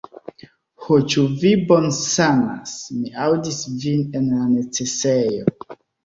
Ho, ĉu vi bonsanas? Mi aŭdis vin en la necesejo!